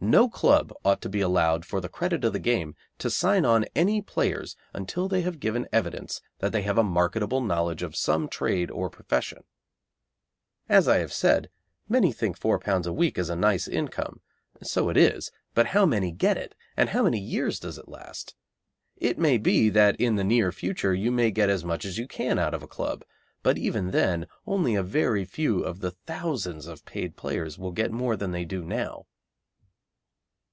No club ought to be allowed, for the credit of the game, to sign on any players until they have given evidence that they have a marketable knowledge of some trade or profession. As I have said, many think £4 a week is a nice income; so it is, but how many get it, and how many years does it last? It may be that in the near future you may get as much as you can out of a club, but even then only a very few of the thousands of paid players will get more than they do now.